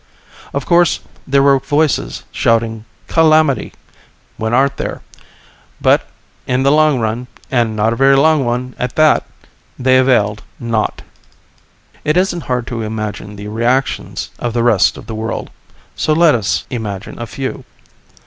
Of course there were voices shouting calamity. When aren't there? But in the long run, and not a very long one at that, they availed naught. It isn't hard to imagine the reactions of the rest of the world. So let us imagine a few.